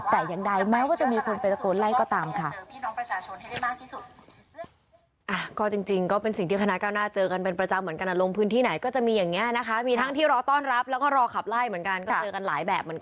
แต่อย่างใดแม้ว่าจะมีคนไปตะโกนไล่ก็ตามค่ะ